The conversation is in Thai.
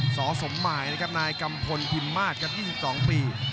สมหมายนะครับนายกัมพลพิมมาศครับ๒๒ปี